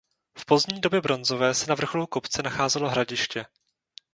V pozdní době bronzové se na vrcholu kopce nacházelo hradiště.